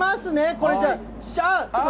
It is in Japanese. これ、じゃあ、あっ！